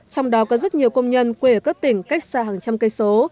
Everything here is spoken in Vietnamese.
trong đó có rất nhiều công nhân quê ở các tỉnh cách xa hàng trăm cây số